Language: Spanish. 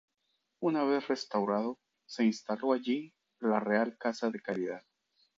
Una vez restaurado, se instaló allí la Real Casa de Caridad.